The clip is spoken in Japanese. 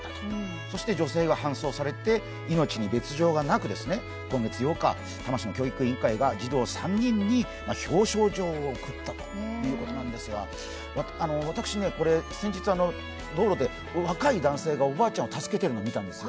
そして女性は搬送されて、命に別状はなく、今月８日多摩市の教育委員会がこの３人に表彰状を贈ったということなんですが、私、これ先日、道路で若い男性がおばあちゃんを助けているのを見たんですよ。